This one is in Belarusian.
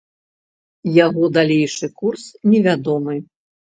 Яго далейшы курс невядомы.